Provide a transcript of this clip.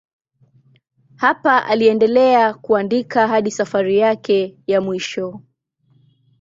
Hapa aliendelea kuandika hadi safari yake ya mwisho.